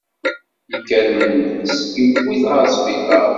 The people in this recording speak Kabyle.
Yekker Mendas yewwi-t ɣer sbiṭar.